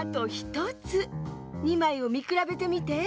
２まいをみくらべてみて。